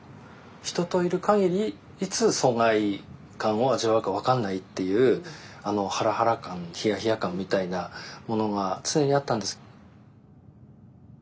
人といる限りいつ疎外感を味わうか分かんないっていうハラハラ感ヒヤヒヤ感みたいなものが常にあったんです。